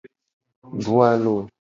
Du alo.